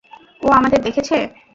ও আমাদের দেখেছে।